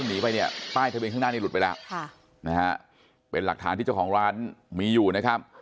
หนีไปเนี่ยป้ายทะเบียนข้างหน้านี้หลุดไปแล้วค่ะนะฮะเป็นหลักฐานที่เจ้าของร้านมีอยู่นะครับ